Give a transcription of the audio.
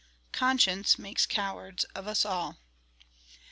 "Conscience makes cowards of us all."